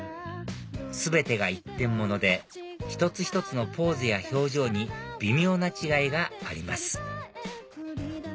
全てが一点物で一つ一つのポーズや表情に微妙な違いがあります